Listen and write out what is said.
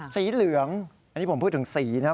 สีเหลืองอันนี้ผมพูดถึงสีนะครับ